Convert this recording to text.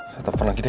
saya telfon lagi deh